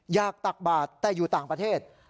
ตักบาทแต่อยู่ต่างประเทศ